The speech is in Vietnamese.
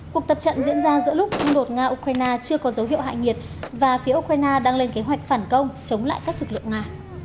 cuộc tập trận diễn ra giữa lúc xung đột nga ukraine chưa có dấu hiệu hạ nhiệt và phía ukraine đang lên kế hoạch phản công chống lại các lực lượng nga